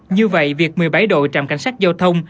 như vậy việc một mươi bảy đội trạm cảnh sát giao thông